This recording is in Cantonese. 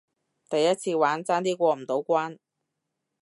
第一次玩，爭啲過唔到關